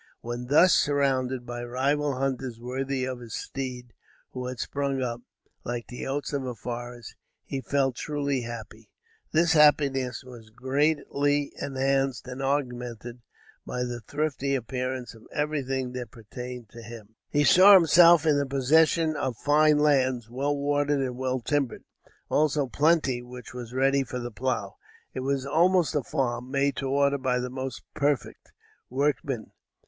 When thus surrounded by rival hunters worthy of his steel, who had sprung up, like oaks of the forest, he felt truly happy. This happiness was greatly enhanced and augmented by the thrifty appearance of everything that pertained to him. He saw himself in the possession of fine lands, well watered and well timbered. Also plenty which was ready for the plow. It was almost a farm, made to order by the most perfect Workman.